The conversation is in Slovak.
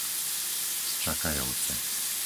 Čakajovce